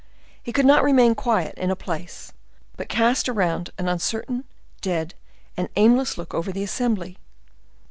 He could not remain quiet in a place, but cast around an uncertain, dead, and aimless look over the assembly.